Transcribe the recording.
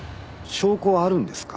証拠はあるんですか？